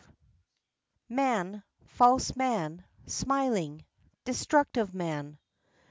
"Man, false man, smiling, destructive man."